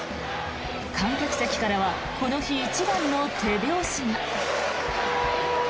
観客席からはこの日一番の手拍子が。